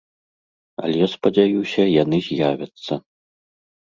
Але, спадзяюся, яны з'явяцца.